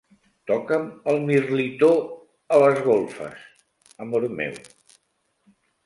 Toca'm el mirlitó a les golfes, amor meu.